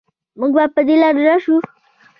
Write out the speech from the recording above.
مونږ به په دې لارې لاړ شو